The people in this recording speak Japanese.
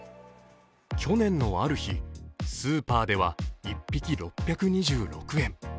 去年のある日、スーパーでは１匹６２６円。